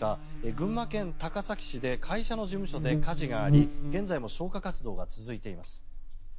群馬県高崎市で会社の事務所で火事があり現在も消火活動が続いています。